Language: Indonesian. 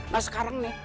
nah sekarang nih